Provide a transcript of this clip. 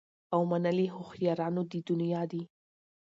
او منلي هوښیارانو د دنیا دي